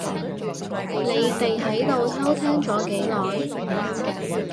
你哋喺度偷聽咗幾耐？